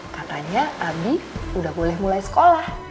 katanya adi udah boleh mulai sekolah